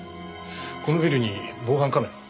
このビルに防犯カメラは？